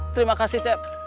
terima kasih cep